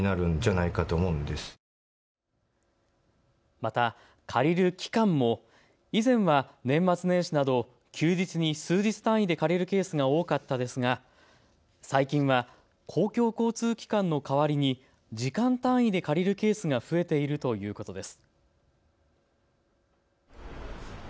また、借りる期間も以前は年末年始など、休日に数日単位で借りるケースが多かったですが最近は公共交通機関の代わりに時間単位で借りるケースが増えているということです。